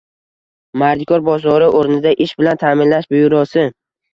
Mardikor bozori o‘rnida ish bilan ta’minlash byurosi